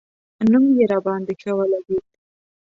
نوم یې راباندې ښه ولګېد.